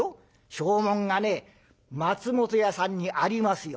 証文がね松本屋さんにありますよ。